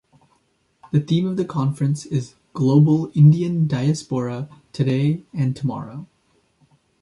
The theme of the conference is "Global Indian Diaspora: Today and Tomorrow".